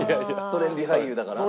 トレンディ俳優だから。